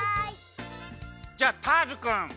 じゃあターズくん。